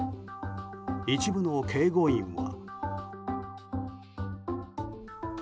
一部の警護員は。